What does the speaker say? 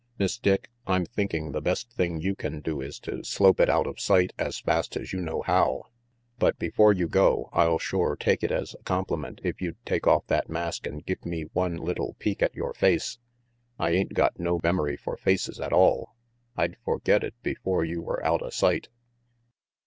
"Miss Dick, I'm thinking the best thing you can do is to slope it out of sight as fast as you know how. But before you go, I'd shore take it as a compliment if you'd take off that mask and give me one little peek at your face. I ain't got no memory for faces at all. I'd forget it before you were outa sight."